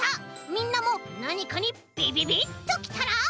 みんなもなにかにビビビッときたら。